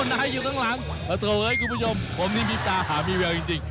นายอยู่ข้างหลังเธอเฮ้ยคุณผู้ชมผมนี่มีตาหามีเวลจริง